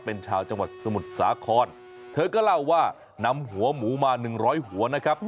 เป็นชาวจังหวัดสมุทรสาครเธอก็เล่าว่านำหัวหมูมาหนึ่งร้อยหัวนะครับ